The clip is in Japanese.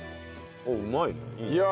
おっうまいね。